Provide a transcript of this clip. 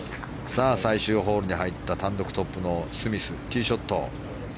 最終ホールに入った単独トップのスミスティーショット。